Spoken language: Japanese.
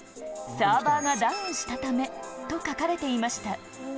サーバーがダウンしたため、と書かれていました。